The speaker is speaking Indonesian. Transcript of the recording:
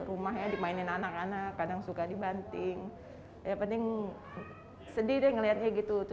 rumahnya dimainin anak anak kadang suka dibanting ya penting sedih dengannya gitu